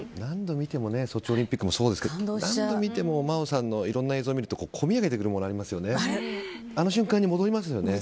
ソチオリンピックもそうですけど何度見ても真央さんのいろんな映像を見るとこみ上げてくるものがありますよね。